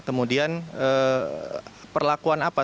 kemudian perlakuan apa